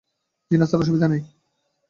জ্বি-না sir, অসুবিধা নেই।